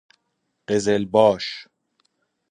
قزل باش